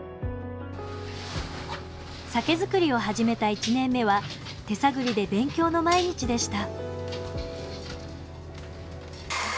酒造りを始めた１年目は手探りで勉強の毎日でした。